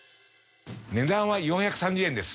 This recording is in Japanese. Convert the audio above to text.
値段は４３０円です。